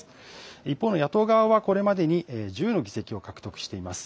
一方、野党側はこれまでに１０の議席を獲得しています。